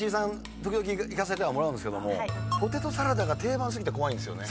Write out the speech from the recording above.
時々行かせてもらうんですけどポテトサラダが定番過ぎて怖いんですよね。